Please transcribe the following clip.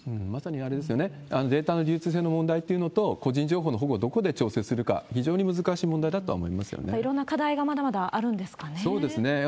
まさにデータの流通性の問題というのと、個人情報の保護をどこで調整するか、非常に難しい問いろんな課題がまだまだあるそうですね。